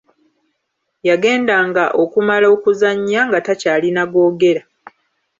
Yagendanga okumala okuzannya nga takyalina googera.